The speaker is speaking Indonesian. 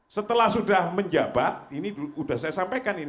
setelah sudah menjabat ini sudah saya sampaikan ini